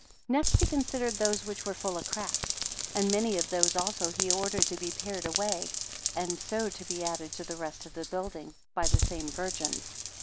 66 Next he considered those which were full of cracks, and many of those also he ordered to be pared away, and so to be added to the rest of the building, by the came virgins.